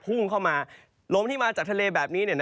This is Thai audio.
พุ่งเข้ามาลมที่มาจากทะเลแบบนี้